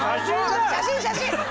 写真写真。